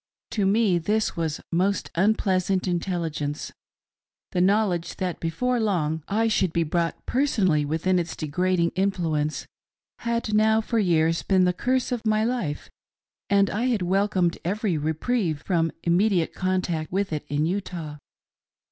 To me this was most unpleasant intelligence. Polygamy, — the knowledge that before long I should be brought person ally within its degrading influence, — had now for years been the curse of my life, and I had welcomed every reprieve from immediate contact with it in Utah.